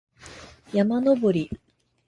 山登り